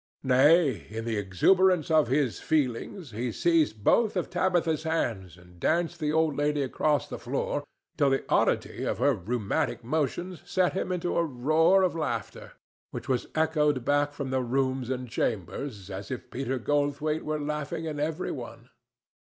Nay, in the exuberance of his feelings, he seized both of Tabitha's hands and danced the old lady across the floor till the oddity of her rheumatic motions set him into a roar of laughter, which was echoed back from the rooms and chambers, as if Peter Goldthwaite were laughing in every one.